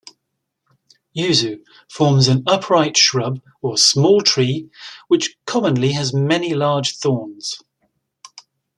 Yuzu forms an upright shrub or small tree, which commonly has many large thorns.